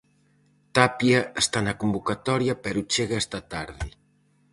Tapia está na convocatoria pero chega esta tarde.